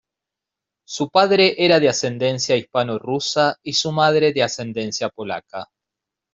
Su padre era de ascendencia hispano-rusa y su madre de ascendencia polaca.